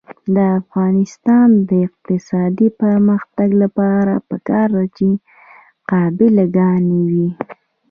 د افغانستان د اقتصادي پرمختګ لپاره پکار ده چې قابله ګانې وي.